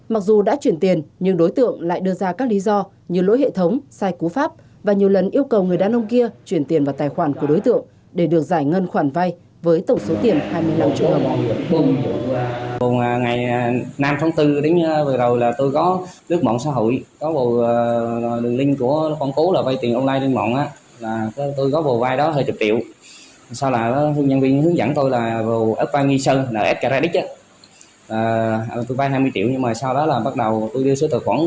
mặc dù đã chuyển tiền nhưng đối tượng lại đưa ra các lý do như lỗi hệ thống sai cú pháp và nhiều lần yêu cầu người đàn ông kia chuyển tiền vào tài khoản của đối tượng để được giải ngân khoản vay với tổng số tiền hai mươi năm triệu đồng